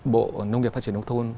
bộ nông nghiệp phát triển đông thôn